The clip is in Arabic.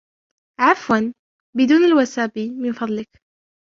عفواً, بدون الوسابي, من فضلك.